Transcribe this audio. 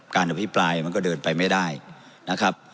อภิปรายมันก็เดินไปไม่ได้นะครับ